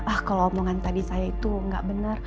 ah kalau omongan tadi saya itu gak bener